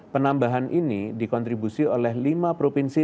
penambahan ini dikontribusi oleh lima provinsi